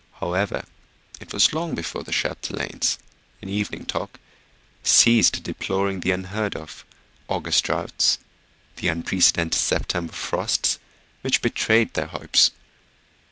However, it was long before the Chapdelaines, in evening talk, ceased deploring the unheard of August droughts, the unprecedented September frosts, which betrayed their hopes.